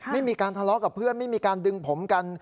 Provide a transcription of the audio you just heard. ไม่มีการทะเลาะกับเพื่อนไม่มีการดึงผมกัน